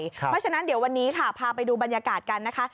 เพราะฉะนั้นเดี๋ยววันนี้ค่ะพาไปดูบรรยากาศกันนะคะ